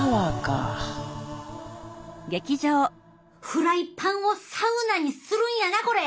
フライパンをサウナにするんやなこれ！